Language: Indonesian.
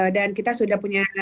dan kita sudah punya